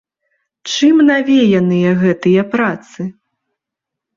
Чым навеяныя гэтыя працы?